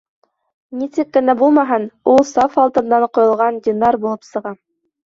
Нисек кенә булмаһын, ул саф алтындан ҡойолған динар булып сыға.